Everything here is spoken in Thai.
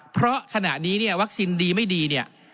เพราะขณะนี้เนี่ยวัคซีนดีไม่ดีเนี่ย